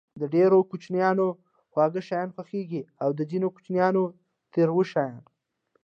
د ډېرو کوچنيانو خواږه شيان خوښېږي او د ځينو کوچنيانو تريؤ شی.